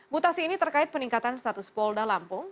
mutasi ini terkait peningkatan status polda lampung